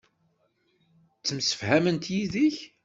Ttemsefhament yid-k.